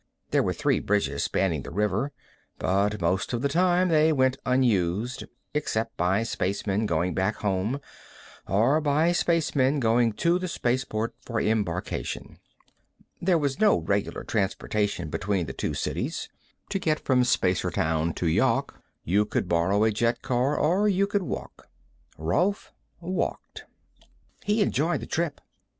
There were three bridges spanning the river, but most of the time they went unused, except by spacemen going back home or by spacemen going to the spaceport for embarkation. There was no regular transportation between the two cities; to get from Spacertown to Yawk, you could borrow a jetcar or you could walk. Rolf walked. He enjoyed the trip.